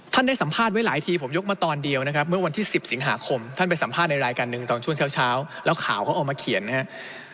ได้สัมภาษณ์ไว้หลายทีผมยกมาตอนเดียวนะครับเมื่อวันที่๑๐สิงหาคมท่านไปสัมภาษณ์ในรายการหนึ่งตอนช่วงเช้าแล้วข่าวเขาเอามาเขียนนะครับ